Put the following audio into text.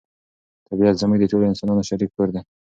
طبیعت زموږ د ټولو انسانانو شریک کور دی.